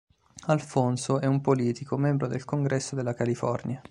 Alphonso è un politico, membro del Congresso della California.